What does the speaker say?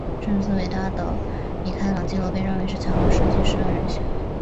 甚至伟大的米开朗基罗被认为是桥梁设计师的人选。